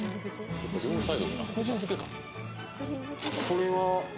これは。